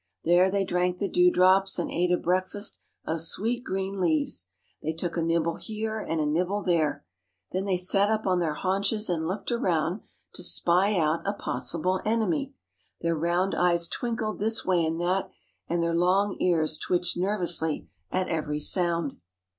There they drank the dewdrops, and ate a breakfast of sweet green leaves. They took a nibble here and a nibble there. Then they sat up on their haunches and looked around to spy out a possible enemy. Their round eyes twinkled this way and that, and their long ears twitched nervously at every sound.